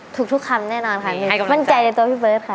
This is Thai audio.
ถูกทุกคำแน่นอนค่ะมั่นใจในตัวพี่เบิร์ตค่ะ